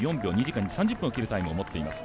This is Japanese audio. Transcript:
３０分を切るタイムを持っています